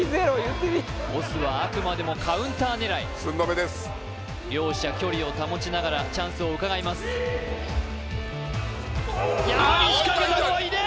押忍はあくまでもカウンター狙い両者距離を保ちながらチャンスをうかがいます止めー！